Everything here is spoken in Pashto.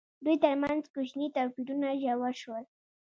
دوی ترمنځ کوچني توپیرونه ژور شول.